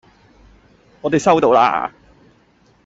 我哋收到啦